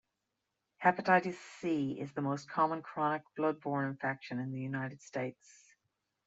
Hepatitis C is the most common chronic blood-borne infection in the United States.